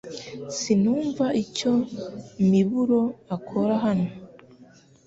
Sinumva icyo Miburo akora hano .